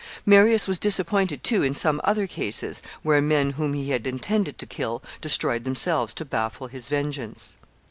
Marius was disappointed, too, in some other cases, where men whom he had intended to kill destroyed themselves to baffle his vengeance.